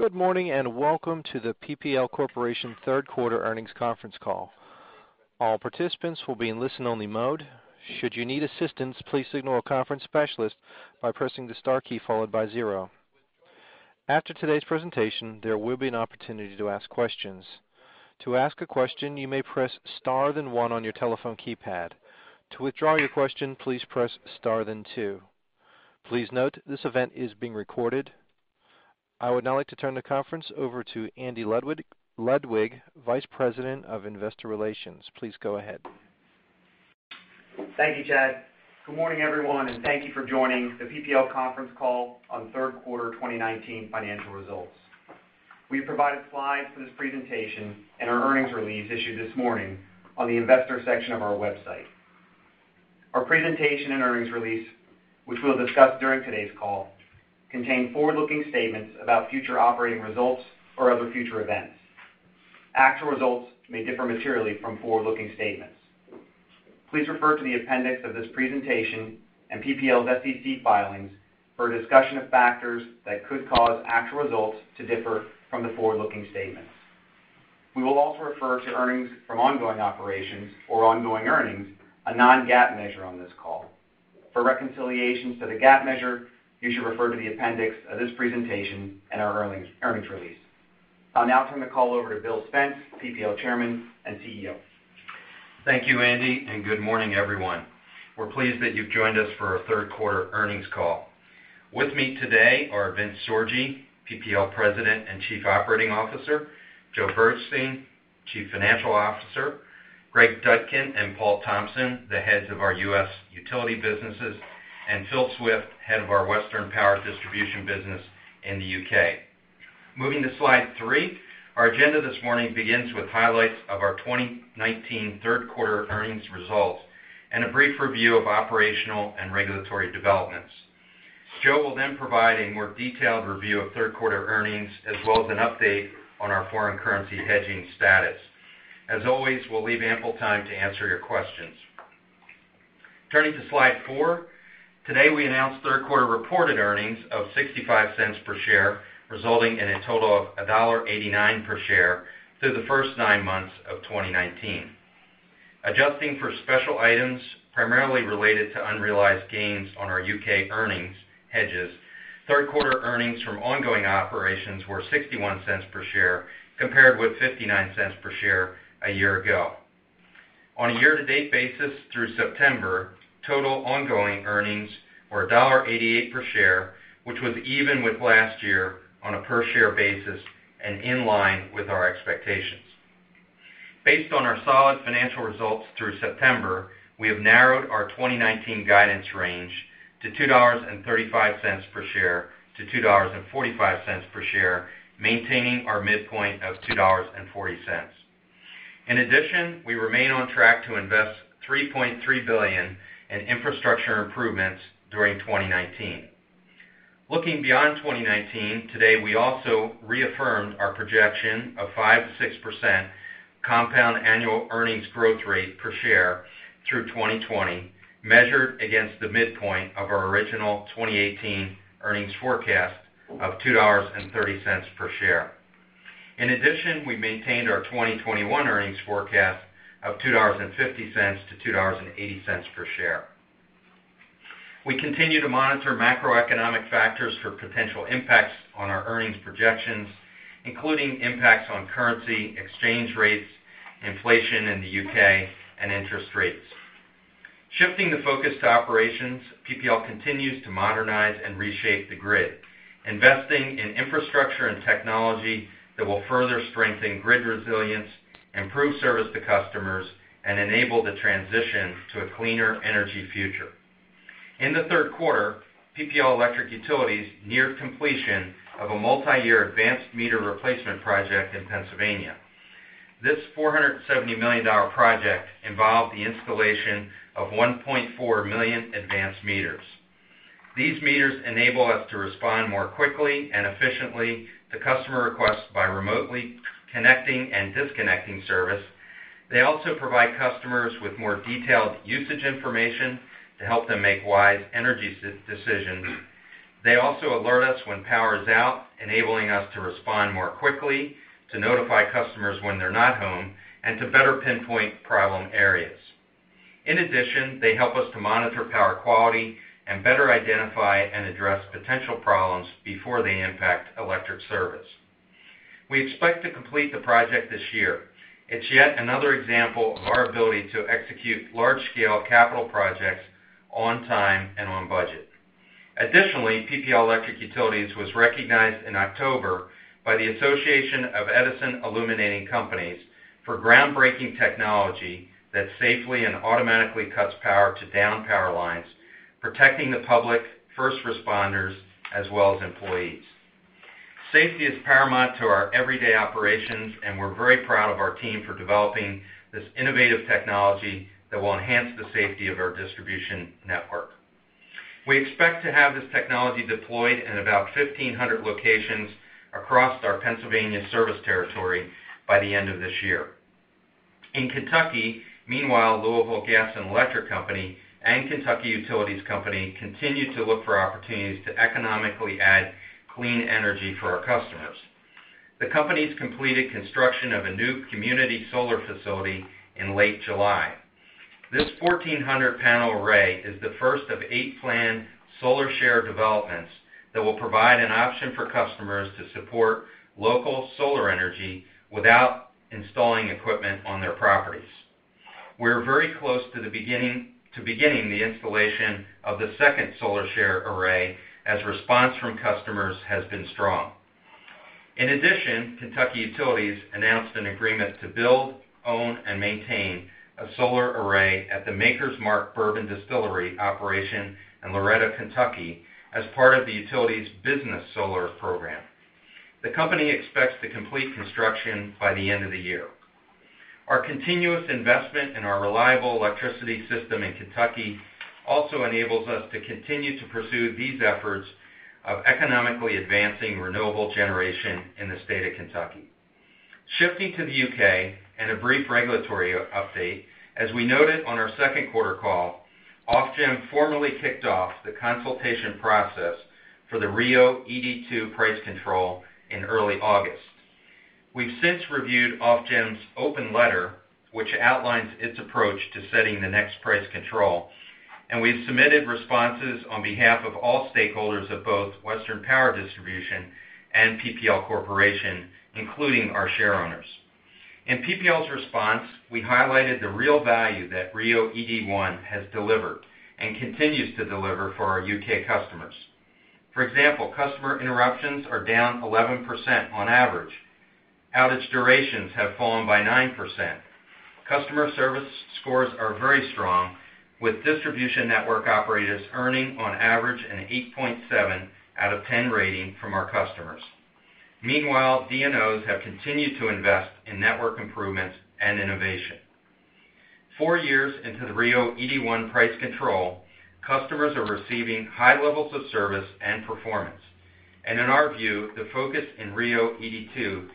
Good morning, and welcome to the PPL Corporation third quarter earnings conference call. All participants will be in listen-only mode. Should you need assistance, please signal a conference specialist by pressing the star key followed by zero. After today's presentation, there will be an opportunity to ask questions. To ask a question, you may press star then one on your telephone keypad. To withdraw your question, please press star then two. Please note this event is being recorded. I would now like to turn the conference over to Andy Ludwig, Vice President of Investor Relations. Please go ahead. Thank you, Chad. Good morning, everyone, and thank you for joining the PPL conference call on third quarter 2019 financial results. We have provided slides for this presentation and our earnings release issued this morning on the investor section of our website. Our presentation and earnings release, which we'll discuss during today's call, contain forward-looking statements about future operating results or other future events. Actual results may differ materially from forward-looking statements. Please refer to the appendix of this presentation and PPL's SEC filings for a discussion of factors that could cause actual results to differ from the forward-looking statements. We will also refer to earnings from ongoing operations or ongoing earnings, a non-GAAP measure on this call. For reconciliations to the GAAP measure, you should refer to the appendix of this presentation and our earnings release. I'll now turn the call over to Bill Spence, PPL Chairman and CEO. Thank you, Andy, and good morning, everyone. With me today are Vince Sorgi, PPL President and Chief Operating Officer, Joe Bergstein, Chief Financial Officer, Greg Dudkin and Paul Thompson, the heads of our U.S. utility businesses, and Phil Swift, head of our Western Power Distribution business in the U.K. Moving to slide three, our agenda this morning begins with highlights of our 2019 third quarter earnings results and a brief review of operational and regulatory developments. Joe will then provide a more detailed review of third-quarter earnings as well as an update on our foreign currency hedging status. As always, we'll leave ample time to answer your questions. Turning to slide four. Today, we announced third-quarter reported earnings of $0.65 per share, resulting in a total of $1.89 per share through the first nine months of 2019. Adjusting for special items, primarily related to unrealized gains on our U.K. earnings hedges, third-quarter earnings from ongoing operations were $0.61 per share compared with $0.59 per share a year ago. On a year-to-date basis through September, total ongoing earnings were $1.88 per share, which was even with last year on a per-share basis and in line with our expectations. Based on our solid financial results through September, we have narrowed our 2019 guidance range to $2.35 per share-$2.45 per share, maintaining our midpoint of $2.40. In addition, we remain on track to invest $3.3 billion in infrastructure improvements during 2019. Looking beyond 2019, today, we also reaffirmed our projection of 5%-6% compound annual earnings growth rate per share through 2020, measured against the midpoint of our original 2018 earnings forecast of $2.30 per share. In addition, we maintained our 2021 earnings forecast of $2.50-$2.80 per share. We continue to monitor macroeconomic factors for potential impacts on our earnings projections, including impacts on currency, exchange rates, inflation in the U.K., and interest rates. Shifting the focus to operations, PPL continues to modernize and reshape the grid, investing in infrastructure and technology that will further strengthen grid resilience, improve service to customers, and enable the transition to a cleaner energy future. In the third quarter, PPL Electric Utilities neared completion of a multi-year advanced meter replacement project in Pennsylvania. This $470 million project involved the installation of 1.4 million advanced meters. These meters enable us to respond more quickly and efficiently to customer requests by remotely connecting and disconnecting service. They also provide customers with more detailed usage information to help them make wise energy decisions. They also alert us when power is out, enabling us to respond more quickly, to notify customers when they're not home, and to better pinpoint problem areas. In addition, they help us to monitor power quality and better identify and address potential problems before they impact electric service. We expect to complete the project this year. It's yet another example of our ability to execute large-scale capital projects on time and on budget. Additionally, PPL Electric Utilities was recognized in October by the Association of Edison Illuminating Companies for groundbreaking technology that safely and automatically cuts power to downed power lines, protecting the public, first responders, as well as employees. Safety is paramount to our everyday operations, and we're very proud of our team for developing this innovative technology that will enhance the safety of our distribution network. We expect to have this technology deployed in about 1,500 locations across our Pennsylvania service territory by the end of this year. In Kentucky, meanwhile, Louisville Gas and Electric Company and Kentucky Utilities Company continue to look for opportunities to economically add clean energy for our customers. The companies completed construction of a new community solar facility in late July. This 1,400-panel array is the first of eight planned solar share developments that will provide an option for customers to support local solar energy without installing equipment on their properties. We're very close to beginning the installation of the second solar share array, as response from customers has been strong. In addition, Kentucky Utilities announced an agreement to build, own, and maintain a solar array at the Maker's Mark Bourbon distillery operation in Loretto, Kentucky, as part of the utilities business solar program. The company expects to complete construction by the end of the year. Our continuous investment in our reliable electricity system in Kentucky also enables us to continue to pursue these efforts of economically advancing renewable generation in the state of Kentucky. Shifting to the U.K. and a brief regulatory update, as we noted on our second quarter call, Ofgem formally kicked off the consultation process for the RIIO-ED2 price control in early August. We've since reviewed Ofgem's open letter, which outlines its approach to setting the next price control, and we've submitted responses on behalf of all stakeholders of both Western Power Distribution and PPL Corporation, including our shareowners. In PPL's response, we highlighted the real value that RIIO-ED1 has delivered and continues to deliver for our U.K. customers. For example, customer interruptions are down 11% on average. Outage durations have fallen by 9%. Customer service scores are very strong, with Distribution Network Operators earning on average an 8.7 out of 10 rating from our customers. Meanwhile, DNOs have continued to invest in network improvements and innovation. Four years into the RIIO-ED1 price control, customers are receiving high levels of service and performance. In our view, the focus in RIIO-ED2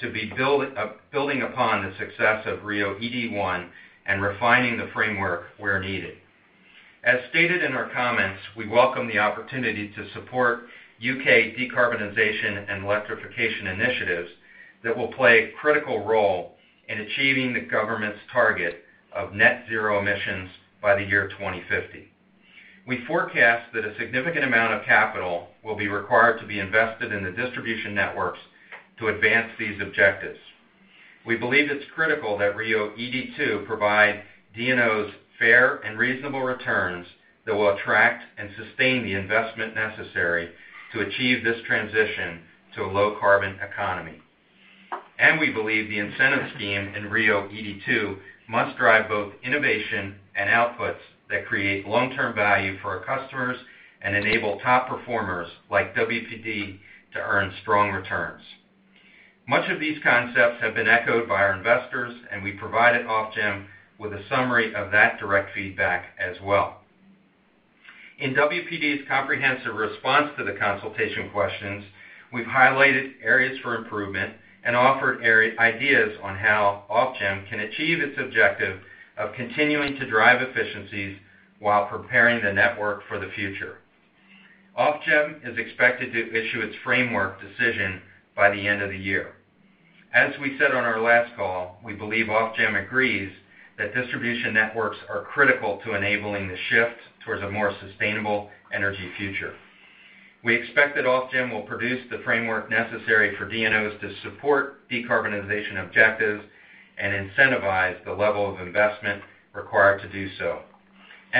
to be building upon the success of RIIO-ED1 and refining the framework where needed. As stated in our comments, we welcome the opportunity to support U.K. decarbonization and electrification initiatives that will play a critical role in achieving the government's target of net zero emissions by the year 2050. We forecast that a significant amount of capital will be required to be invested in the distribution networks to advance these objectives. We believe it's critical that RIIO-ED2 provide DNOs fair and reasonable returns that will attract and sustain the investment necessary to achieve this transition to a low-carbon economy. We believe the incentive scheme in RIIO-ED2 must drive both innovation and outputs that create long-term value for our customers and enable top performers like WPD to earn strong returns. Much of these concepts have been echoed by our investors, and we provided Ofgem with a summary of that direct feedback as well. In WPD's comprehensive response to the consultation questions, we've highlighted areas for improvement and offered ideas on how Ofgem can achieve its objective of continuing to drive efficiencies while preparing the network for the future. Ofgem is expected to issue its framework decision by the end of the year. As we said on our last call, we believe Ofgem agrees that distribution networks are critical to enabling the shift towards a more sustainable energy future. We expect that Ofgem will produce the framework necessary for DNOs to support decarbonization objectives and incentivize the level of investment required to do so.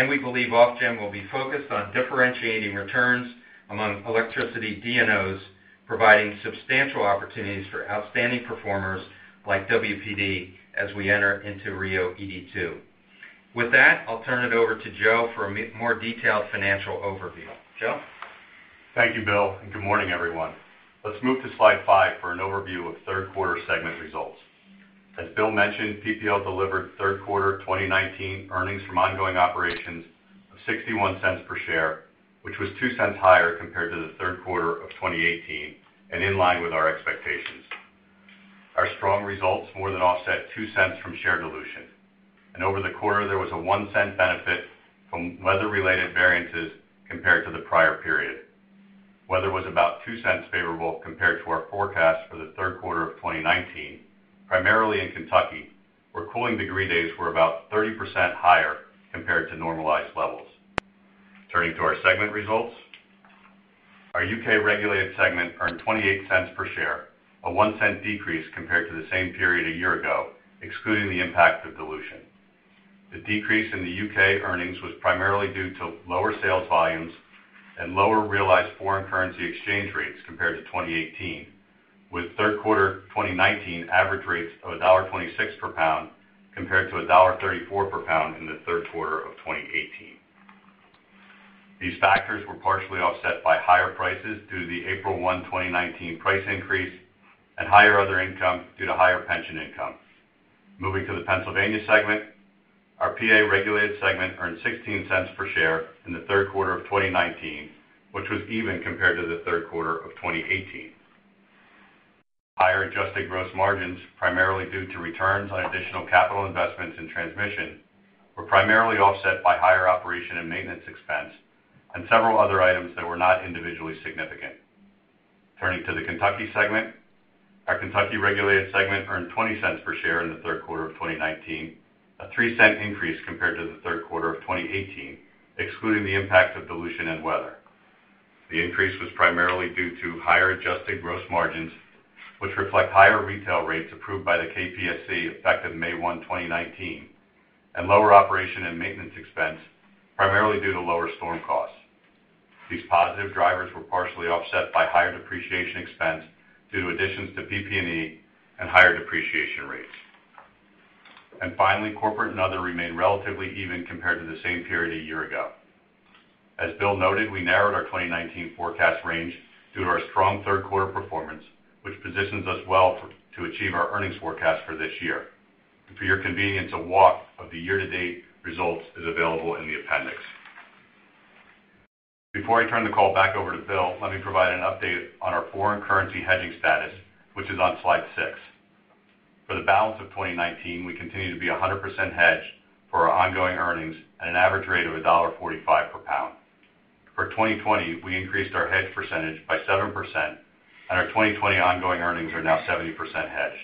We believe Ofgem will be focused on differentiating returns among electricity DNOs, providing substantial opportunities for outstanding performers like WPD as we enter into RIIO-ED2. With that, I'll turn it over to Joe for a more detailed financial overview. Joe? Thank you, Bill, and good morning, everyone. Let's move to slide five for an overview of third quarter segment results. As Bill mentioned, PPL delivered third quarter 2019 earnings from ongoing operations of $0.61 per share, which was $0.02 higher compared to the third quarter of 2018, in line with our expectations. Our strong results more than offset $0.02 from share dilution. Over the quarter, there was a $0.01 benefit from weather-related variances compared to the prior period. Weather was about $0.02 favorable compared to our forecast for the third quarter of 2019, primarily in Kentucky, where cooling degree days were about 30% higher compared to normalized levels. Turning to our segment results. Our U.K. regulated segment earned $0.28 per share, a $0.01 decrease compared to the same period a year ago, excluding the impact of dilution. The decrease in the U.K. earnings was primarily due to lower sales volumes and lower realized foreign currency exchange rates compared to 2018, with third quarter 2019 average rates of GBP 1.26 per pound compared to GBP 1.34 per pound in the third quarter of 2018. These factors were partially offset by higher prices due to the April 1, 2019, price increase and higher other income due to higher pension income. Moving to the Pennsylvania segment. Our PA regulated segment earned $0.16 per share in the third quarter of 2019, which was even compared to the third quarter of 2018. Higher adjusted gross margins, primarily due to returns on additional capital investments in transmission, were primarily offset by higher operation and maintenance expense and several other items that were not individually significant. Turning to the Kentucky segment, our Kentucky regulated segment earned $0.20 per share in the third quarter of 2019, a $0.03 increase compared to the third quarter of 2018, excluding the impact of dilution and weather. The increase was primarily due to higher adjusted gross margins, which reflect higher retail rates approved by the KPSC effective May 1, 2019, and lower operation and maintenance expense, primarily due to lower storm costs. These positive drivers were partially offset by higher depreciation expense due to additions to PP&E and higher depreciation rates. Finally, corporate and other remained relatively even compared to the same period a year ago. As Bill noted, we narrowed our 2019 forecast range due to our strong third quarter performance, which positions us well to achieve our earnings forecast for this year. For your convenience, a walk of the year-to-date results is available in the appendix. Before I turn the call back over to Bill, let me provide an update on our foreign currency hedging status, which is on slide six. For the balance of 2019, we continue to be 100% hedged for our ongoing earnings at an average rate of $1.45 per pound. For 2020, we increased our hedge percentage by 7%, and our 2020 ongoing earnings are now 70% hedged.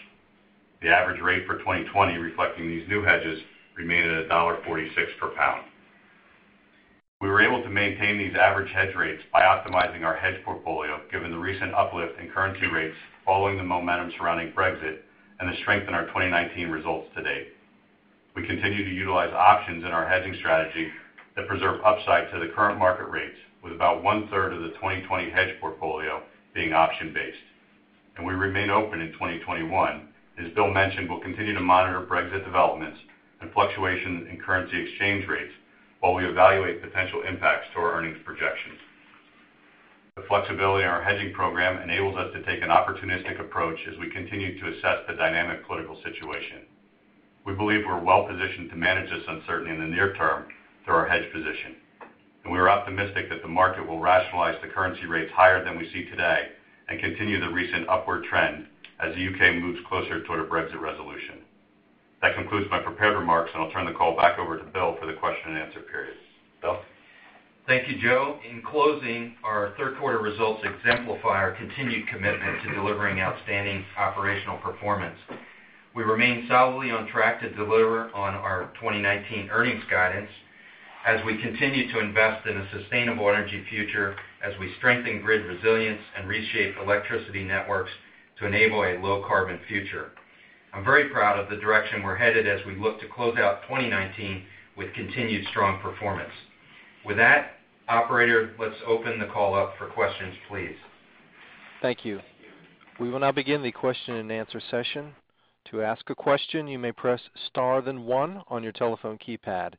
The average rate for 2020 reflecting these new hedges remained at $1.46 per pound. We were able to maintain these average hedge rates by optimizing our hedge portfolio, given the recent uplift in currency rates following the momentum surrounding Brexit and the strength in our 2019 results to date. We continue to utilize options in our hedging strategy that preserve upside to the current market rates with about one-third of the 2020 hedge portfolio being option-based. We remain open in 2021. As Bill mentioned, we'll continue to monitor Brexit developments and fluctuations in currency exchange rates while we evaluate potential impacts to our earnings projections. The flexibility in our hedging program enables us to take an opportunistic approach as we continue to assess the dynamic political situation. We believe we're well positioned to manage this uncertainty in the near term through our hedge position. We are optimistic that the market will rationalize the currency rates higher than we see today and continue the recent upward trend as the U.K. moves closer toward a Brexit resolution. That concludes my prepared remarks, and I'll turn the call back over to Bill for the question and answer period. Bill? Thank you, Joe. In closing, our third quarter results exemplify our continued commitment to delivering outstanding operational performance. We remain solidly on track to deliver on our 2019 earnings guidance as we continue to invest in a sustainable energy future as we strengthen grid resilience and reshape electricity networks to enable a low-carbon future. I'm very proud of the direction we're headed as we look to close out 2019 with continued strong performance. With that, operator, let's open the call up for questions, please. Thank you. We will now begin the question and answer session. To ask a question, you may press star then one on your telephone keypad.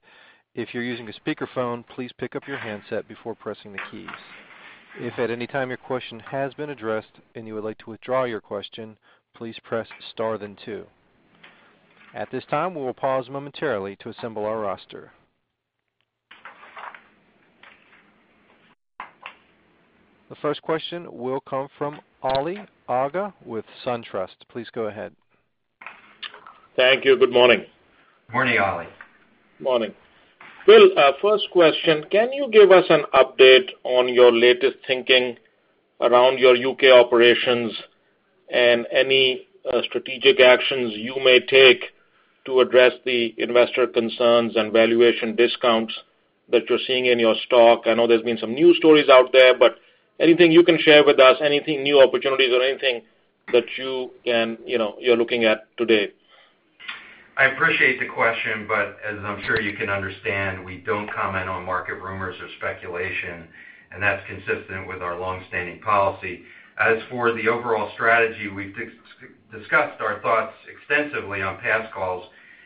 If you're using a speakerphone, please pick up your handset before pressing the keys. If at any time your question has been addressed and you would like to withdraw your question, please press star then two. At this time, we will pause momentarily to assemble our roster. The first question will come from Ali Agha with SunTrust. Please go ahead. Thank you. Good morning. Morning, Ali. Morning. Bill, first question, can you give us an update on your latest thinking around your U.K. operations and any strategic actions you may take to address the investor concerns and valuation discounts that you're seeing in your stock? I know there's been some news stories out there, but anything you can share with us, anything new opportunities or anything that you're looking at today? I appreciate the question, but as I'm sure you can understand, we don't comment on market rumors or speculation, and that's consistent with our long-standing policy. As for the overall strategy, we've discussed our thoughts extensively on past calls,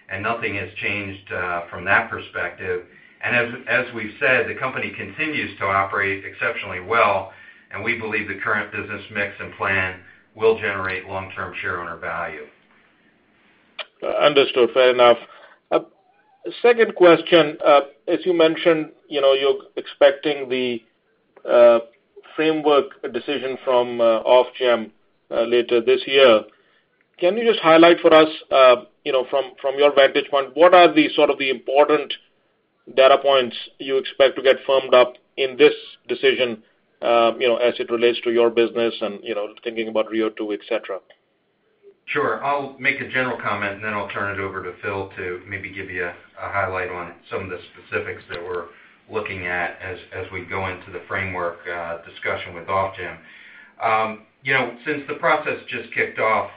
and nothing has changed from that perspective. As we've said, the company continues to operate exceptionally well, and we believe the current business mix and plan will generate long-term share owner value. Understood. Fair enough. Second question, as you mentioned, you are expecting the framework decision from Ofgem later this year. Can you just highlight for us from your vantage point, what are the sort of the important data points you expect to get firmed up in this decision as it relates to your business and thinking about RIIO 2, et cetera? Sure. I'll make a general comment, and then I'll turn it over to Phil to maybe give you a highlight on some of the specifics that we're looking at as we go into the framework discussion with Ofgem. Since the process just kicked off,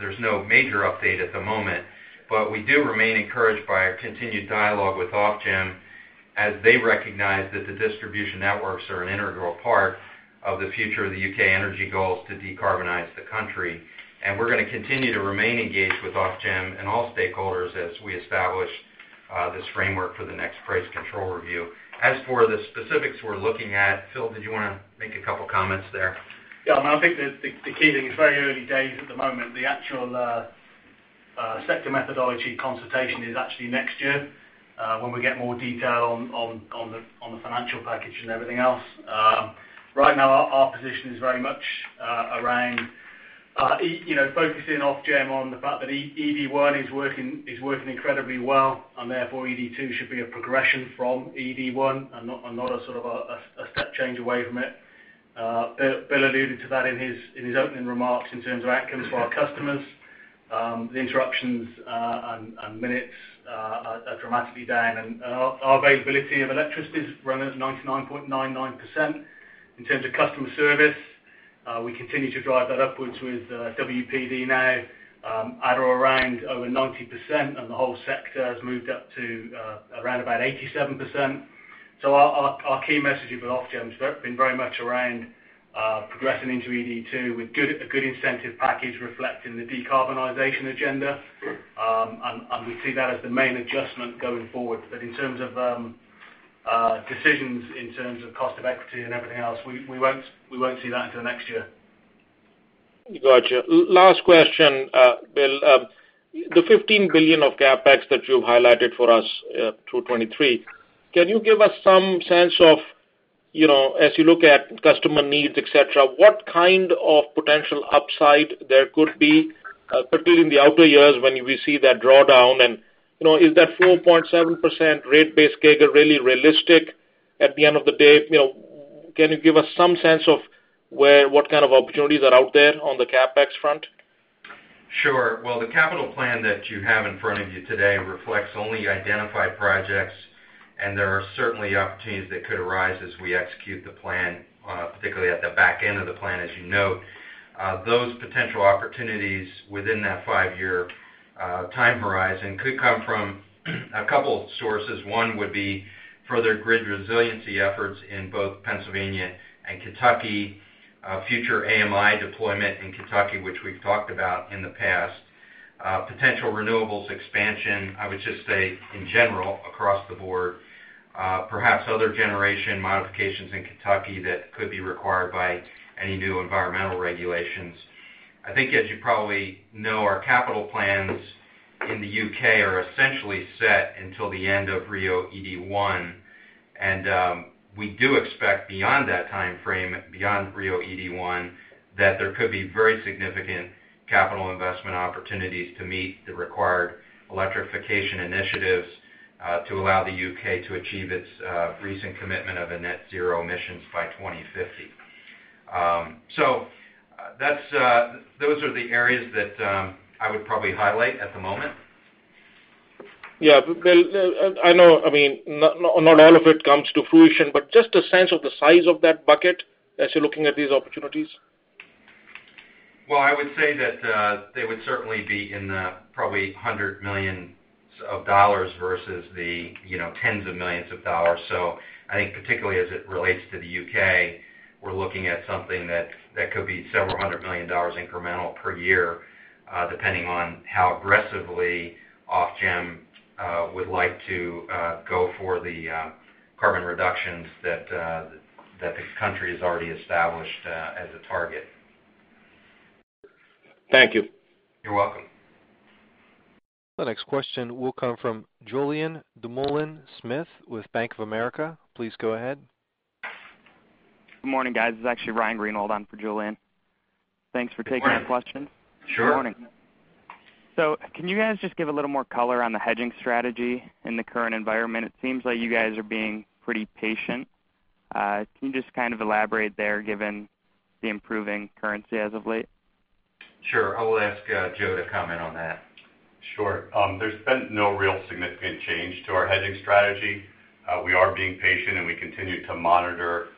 there's no major update at the moment, but we do remain encouraged by our continued dialogue with Ofgem as they recognize that the distribution networks are an integral part of the future of the U.K. energy goals to decarbonize the country. We're going to continue to remain engaged with Ofgem and all stakeholders as we establish this framework for the next price control review. As for the specifics we're looking at, Phil, did you want to make a couple of comments there? I think the key thing is very early days at the moment. The actual sector methodology consultation is actually next year, when we get more detail on the financial package and everything else. Right now, our position is very much around focusing Ofgem on the fact that ED1 is working incredibly well, and therefore ED2 should be a progression from ED1 and not a sort of a step change away from it. Bill alluded to that in his opening remarks in terms of outcomes for our customers. The interruptions and minutes are dramatically down, and our availability of electricity is running at 99.99%. In terms of customer service, we continue to drive that upwards with WPD now at or around over 90%, and the whole sector has moved up to around about 87%. Our key messaging with Ofgem has been very much around progressing into ED2 with a good incentive package reflecting the decarbonization agenda. We see that as the main adjustment going forward. In terms of decisions in terms of cost of equity and everything else, we won't see that until next year. Got you. Last question, Bill. The $15 billion of CapEx that you've highlighted for us through 2023, can you give us some sense of, as you look at customer needs, et cetera, what kind of potential upside there could be, particularly in the outer years when we see that drawdown? Is that 4.7% rate base CAGR really realistic at the end of the day? Can you give us some sense of what kind of opportunities are out there on the CapEx front? The capital plan that you have in front of you today reflects only identified projects, and there are certainly opportunities that could arise as we execute the plan, particularly at the back end of the plan, as you note. Those potential opportunities within that five-year time horizon could come from a couple sources. One would be further grid resiliency efforts in both Pennsylvania and Kentucky. Future AMI deployment in Kentucky, which we've talked about in the past. Potential renewables expansion, I would just say in general, across the board. Perhaps other generation modifications in Kentucky that could be required by any new environmental regulations. I think, as you probably know, our capital plans in the U.K. are essentially set until the end of RIIO-ED1. We do expect beyond that timeframe, beyond RIIO-ED1, that there could be very significant capital investment opportunities to meet the required electrification initiatives to allow the U.K. to achieve its recent commitment of a net zero emissions by 2050. Those are the areas that I would probably highlight at the moment. Yeah. Bill, I know not all of it comes to fruition, but just a sense of the size of that bucket as you're looking at these opportunities. Well, I would say that they would certainly be in the probably hundreds of millions of dollars versus the tens of millions of dollars. So I think particularly as it relates to the U.K., we're looking at something that could be several hundred million dollars incremental per year, depending on how aggressively Ofgem would like to go for the carbon reductions that the country has already established as a target. Thank you. You're welcome. The next question will come from Ryan Greenwald with Bank of America. Please go ahead. Good morning, guys. This is actually Ryan Greenwald on for Julien. Thanks for taking the question. Morning. Sure. Good morning. Can you guys just give a little more color on the hedging strategy in the current environment? It seems like you guys are being pretty patient. Can you just kind of elaborate there, given the improving currency as of late? Sure. I will ask Joe to comment on that. Sure. There's been no real significant change to our hedging strategy. We are being patient. We continue to monitor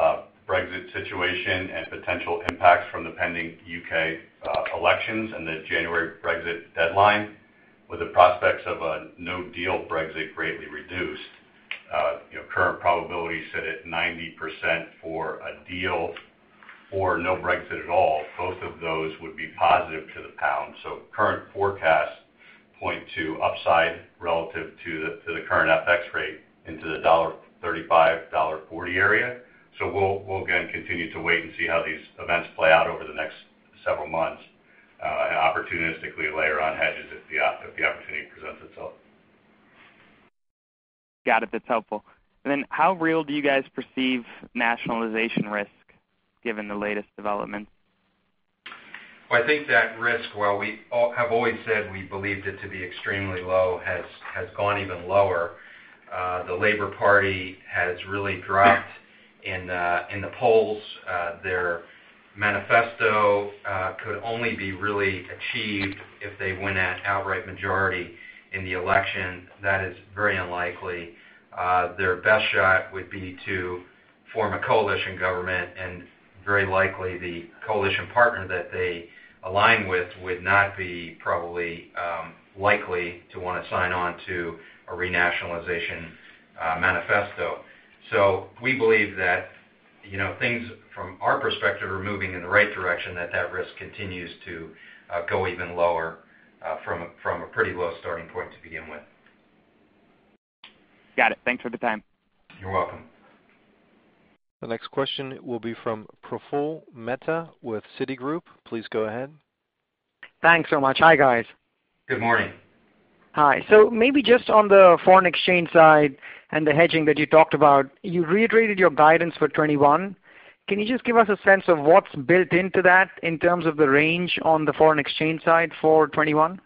Brexit situation and potential impacts from the pending U.K. elections and the January Brexit deadline. With the prospects of a no-deal Brexit greatly reduced, current probability sit at 90% for a deal or no Brexit at all. Both of those would be positive to the pound. Current forecasts point to upside relative to the current FX rate into the $1.35, $1.40 area. We'll, again, continue to wait and see how these events play out over the next several months, and opportunistically layer on hedges if the opportunity presents itself. Got it. That's helpful. Then how real do you guys perceive nationalization risk given the latest developments? I think that risk, while we have always said we believed it to be extremely low, has gone even lower. The Labour Party has really dropped in the polls. Their manifesto could only be really achieved if they win an outright majority in the election. That is very unlikely. Their best shot would be to form a coalition government, very likely the coalition partner that they align with would not be probably likely to want to sign on to a re-nationalization manifesto. We believe that things from our perspective are moving in the right direction, that that risk continues to go even lower from a pretty low starting point to begin with. Got it. Thanks for the time. You're welcome. The next question will be from Praful Mehta with Citigroup. Please go ahead. Thanks so much. Hi, guys. Good morning. Hi. Maybe just on the foreign exchange side and the hedging that you talked about, you reiterated your guidance for 2021. Can you just give us a sense of what's built into that in terms of the range on the foreign exchange side for 2021?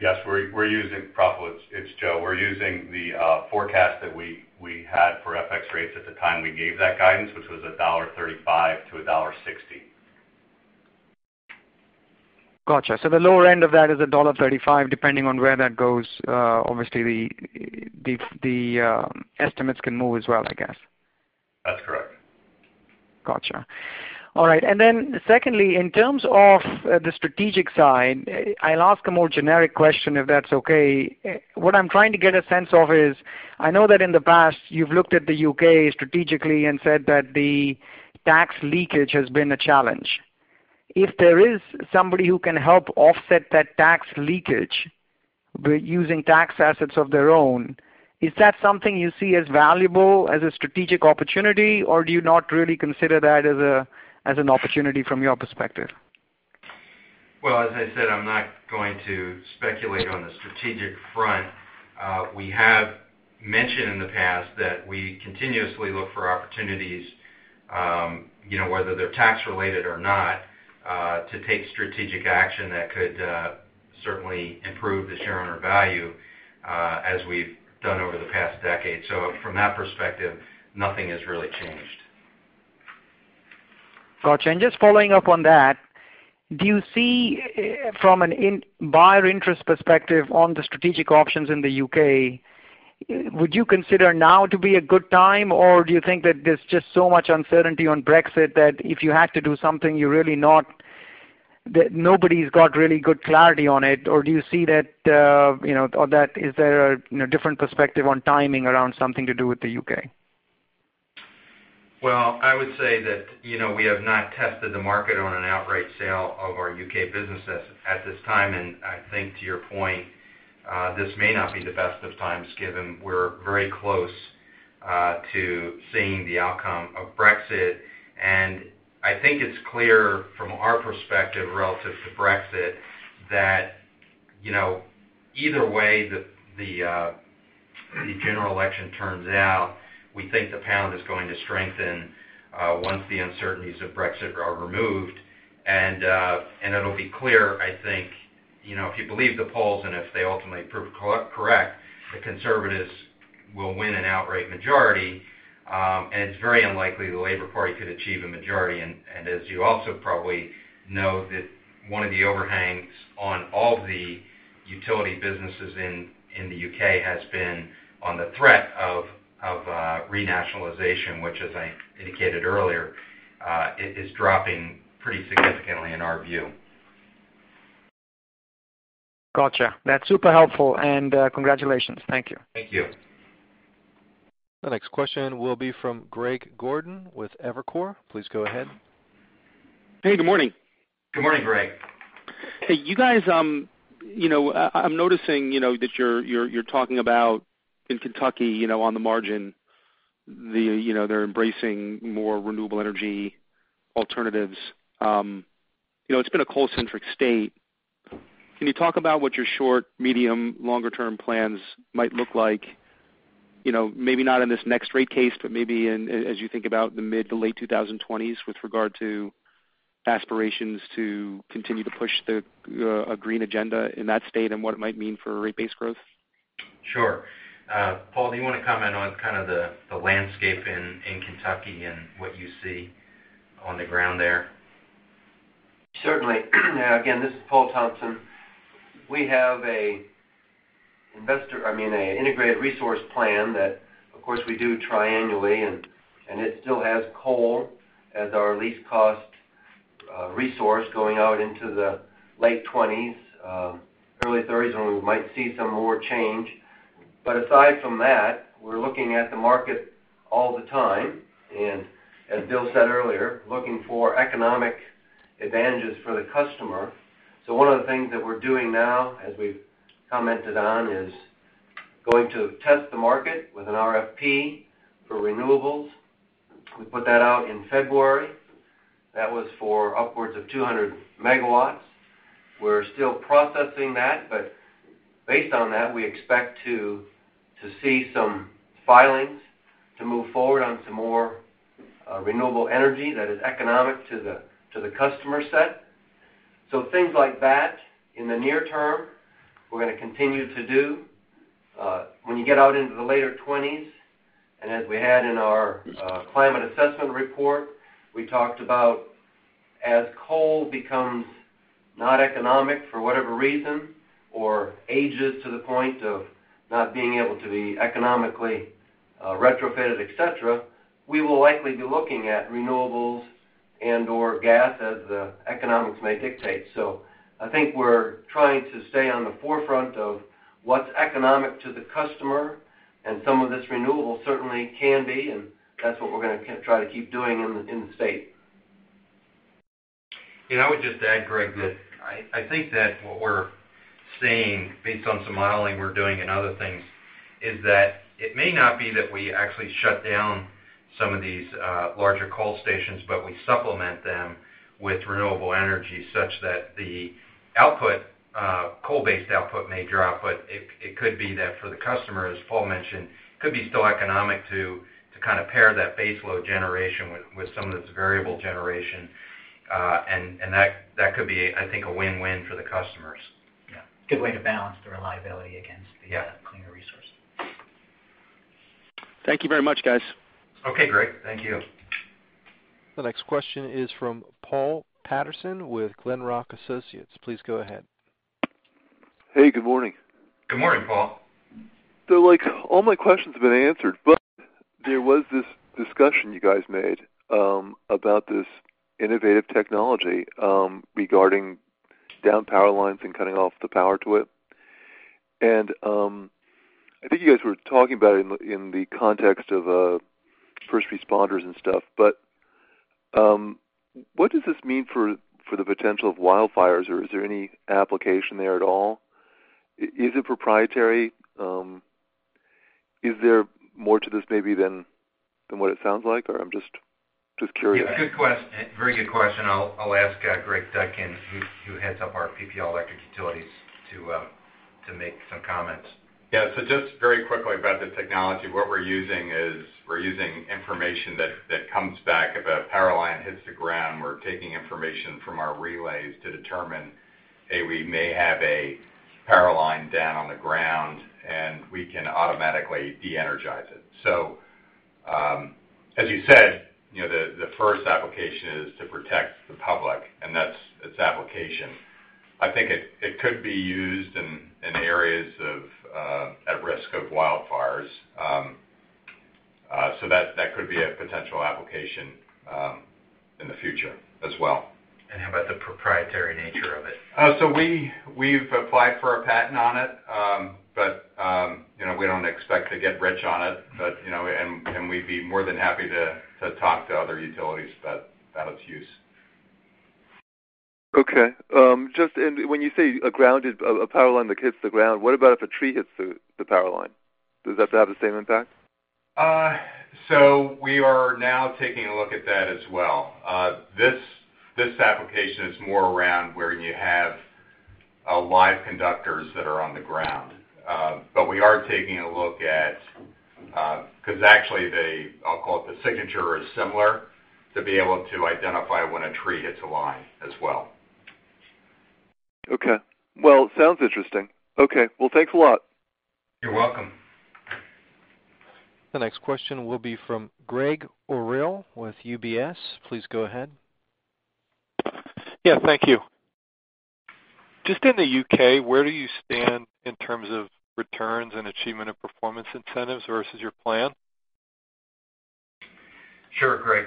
Yes, Praful, it's Joe. We're using the forecast that we had for FX rates at the time we gave that guidance, which was $1.35-$1.60. Got you. The lower end of that is $1.35. Depending on where that goes, obviously the estimates can move as well, I guess. That's correct. Got you. All right. Secondly, in terms of the strategic side, I'll ask a more generic question if that's okay. What I'm trying to get a sense of is, I know that in the past you've looked at the U.K. strategically and said that the tax leakage has been a challenge. If there is somebody who can help offset that tax leakage by using tax assets of their own, is that something you see as valuable as a strategic opportunity, or do you not really consider that as an opportunity from your perspective? Well, as I said, I'm not going to speculate on the strategic front. We have mentioned in the past that we continuously look for opportunities, whether they're tax-related or not, to take strategic action that could certainly improve the share owner value, as we've done over the past decade. From that perspective, nothing has really changed. Got you. Just following up on that, do you see from a buyer interest perspective on the strategic options in the U.K., would you consider now to be a good time, or do you think that there's just so much uncertainty on Brexit that if you had to do something, that nobody's got really good clarity on it? Is there a different perspective on timing around something to do with the U.K.? Well, I would say that we have not tested the market on an outright sale of our U.K. businesses at this time. I think to your point, this may not be the best of times given we're very close to seeing the outcome of Brexit. I think it's clear from our perspective relative to Brexit that either way the general election turns out, we think the pound is going to strengthen once the uncertainties of Brexit are removed. It'll be clear, I think, if you believe the polls and if they ultimately prove correct, the conservatives will win an outright majority. It's very unlikely the Labour Party could achieve a majority. As you also probably know, that one of the overhangs on all the utility businesses in the U.K. has been on the threat of re-nationalization, which as I indicated earlier, is dropping pretty significantly in our view. Got you. That's super helpful and congratulations. Thank you. Thank you. The next question will be from Greg Gordon with Evercore. Please go ahead. Hey, good morning. Good morning, Greg. Hey, you guys, I'm noticing that you're talking about in Kentucky, on the margin, they're embracing more renewable energy alternatives. It's been a coal-centric state. Can you talk about what your short, medium, longer term plans might look like, maybe not in this next rate case, but maybe as you think about the mid to late 2020s with regard to aspirations to continue to push a green agenda in that state and what it might mean for rate base growth? Sure. Paul, do you want to comment on kind of the landscape in Kentucky and what you see on the ground there? Certainly. Again, this is Paul Thompson. We have an Integrated Resource Plan that, of course, we do tri-annually. It still has coal as our least cost resource going out into the late 20s, early 30s, when we might see some more change. Aside from that, we're looking at the market all the time, and as Bill said earlier, looking for economic advantages for the customer. One of the things that we're doing now, as we've commented on, is going to test the market with an RFP for renewables. We put that out in February. That was for upwards of 200 MW. We're still processing that. Based on that, we expect to see some filings to move forward on some more renewable energy that is economic to the customer set. Things like that in the near term, we're going to continue to do. When you get out into the later '20s, and as we had in our Climate Assessment Report, we talked about as coal becomes not economic for whatever reason, or ages to the point of not being able to be economically retrofitted, et cetera, we will likely be looking at renewables and/or gas as the economics may dictate. I think we're trying to stay on the forefront of what's economic to the customer, and some of this renewable certainly can be, and that's what we're going to try to keep doing in the state. I would just add, Greg, that I think that what we're seeing, based on some modeling we're doing and other things, is that it may not be that we actually shut down some of these larger coal stations, but we supplement them with renewable energy such that the coal-based output may drop. It could be that for the customer, as Paul mentioned, it could be still economic to pair that base load generation with some of this variable generation. That could be, I think, a win-win for the customers. Yeah. Good way to balance the reliability against. Yeah the cleaner resource. Thank you very much, guys. Okay, Greg. Thank you. The next question is from Paul Patterson with Glenrock Associates. Please go ahead. Hey, good morning. Good morning, Paul. All my questions have been answered, but there was this discussion you guys made, about this innovative technology, regarding down power lines and cutting off the power to it. I think you guys were talking about it in the context of first responders and stuff, but what does this mean for the potential of wildfires, or is there any application there at all? Is it proprietary? Is there more to this maybe than what it sounds like? I'm just curious. Yeah, very good question. I'll ask Greg Dudkin, who heads up our PPL Electric Utilities, to make some comments. Yeah. Just very quickly about the technology. What we're using is, we're using information that comes back. If a power line hits the ground, we're taking information from our relays to determine, hey, we may have a power line down on the ground, and we can automatically de-energize it. As you said, the first application is to protect the public, and that's its application. I think it could be used in areas at risk of wildfires. That could be a potential application in the future as well. How about the proprietary nature of it? We've applied for a patent on it. We don't expect to get rich on it. We'd be more than happy to talk to other utilities about its use. Okay. When you say a power line that hits the ground, what about if a tree hits the power line? Does that have the same impact? We are now taking a look at that as well. This application is more around where you have live conductors that are on the ground. We are taking a look at Because actually, I'll call it, the signature is similar, to be able to identify when a tree hits a line as well. Okay. Well, it sounds interesting. Okay, well, thanks a lot. You're welcome. The next question will be from Gregg Orrill with UBS. Please go ahead. Thank you. Just in the U.K., where do you stand in terms of returns and achievement of performance incentives versus your plan? Sure, Greg.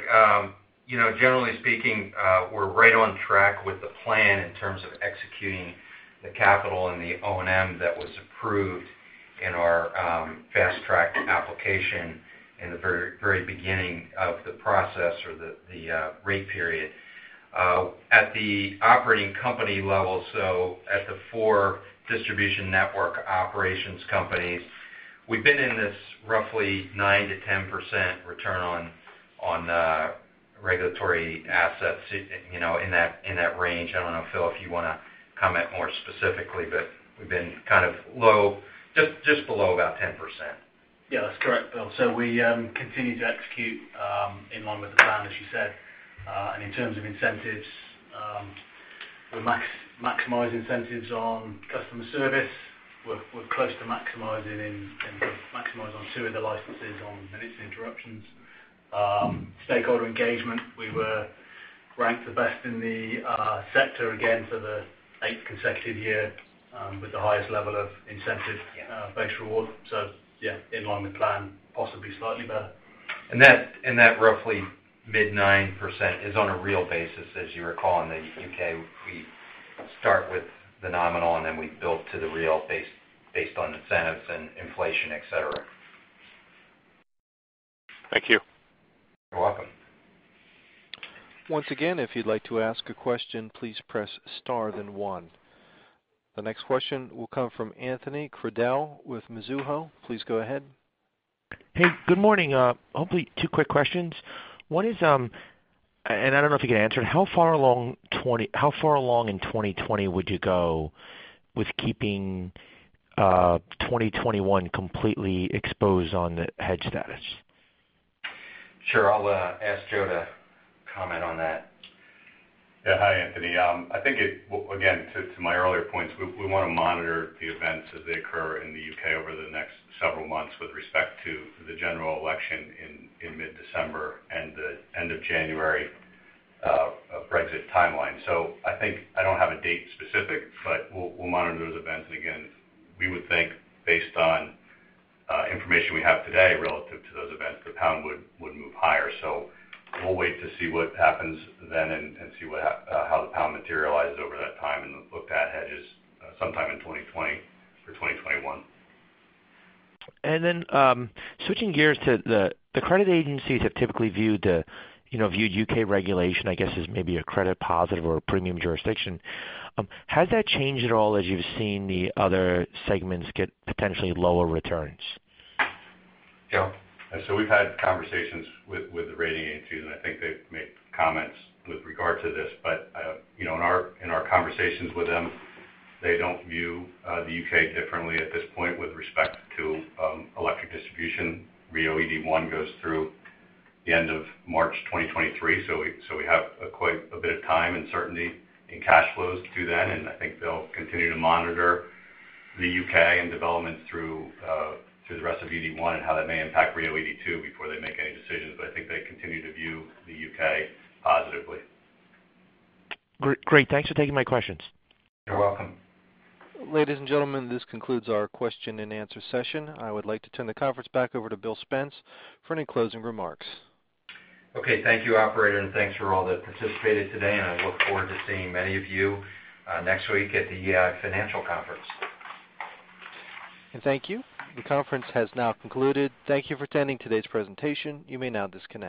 Generally speaking, we're right on track with the plan in terms of executing the capital and the O&M that was approved in our fast-track application in the very beginning of the process or the rate period. At the operating company level, so at the four distribution network operations companies, we've been in this roughly 9%-10% return on regulatory assets, in that range. I don't know, Phil, if you want to comment more specifically, but we've been low, just below about 10%. Yeah, that's correct, Bill. We continue to execute, in line with the plan, as you said. In terms of incentives, we maximize incentives on customer service. We're close to maximizing on two of the licenses on minute interruptions. Stakeholder engagement, we were ranked the best in the sector again for the eighth consecutive year. Yeah Yeah, in line with plan, possibly slightly better. That roughly mid 9% is on a real basis. As you recall, in the U.K., we start with the nominal, and then we build to the real based on incentives and inflation, et cetera. Thank you. You're welcome. Once again, if you'd like to ask a question, please press star then one. The next question will come from Anthony Crowdell with Mizuho. Please go ahead. Hey, good morning. Hopefully, two quick questions. One is, and I don't know if you can answer it, how far along in 2020 would you go with keeping 2021 completely exposed on the hedge status? Sure. I'll ask Joe to comment on that. Hi, Anthony. I think it, again, to my earlier points, we want to monitor the events as they occur in the U.K. over the next several months with respect to the general election in mid-December and the end of January of Brexit timeline. I think I don't have a date specific, but we'll monitor those events. Again, we would think based on information we have today relative to those events, the pound would move higher. We'll wait to see what happens then and see how the pound materializes over that time and look at hedges sometime in 2020 or 2021. Switching gears to the credit agencies have typically viewed U.K. regulation, I guess, as maybe a credit positive or a premium jurisdiction. Has that changed at all as you've seen the other segments get potentially lower returns? Joe? We've had conversations with the rating agencies, and I think they've made comments with regard to this. In our conversations with them, they don't view the U.K. differently at this point with respect to electric distribution. RIIO ED1 goes through the end of March 2023, so we have quite a bit of time and certainty in cash flows to then, and I think they'll continue to monitor the U.K. and developments through the rest of ED1 and how that may impact RIIO ED2 before they make any decisions. I think they continue to view the U.K. positively. Great. Thanks for taking my questions. You're welcome. Ladies and gentlemen, this concludes our question and answer session. I would like to turn the conference back over to Bill Spence for any closing remarks. Okay. Thank you, operator, thanks for all that participated today, and I look forward to seeing many of you next week at the EEI Financial Conference. Thank you. The conference has now concluded. Thank you for attending today's presentation. You may now disconnect.